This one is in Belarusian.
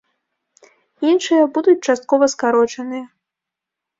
Іншыя будуць часткова скарочаныя.